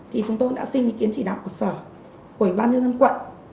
thì chúng tôi đã xin ý kiến chỉ đạo của sở của bàn nhân dân quận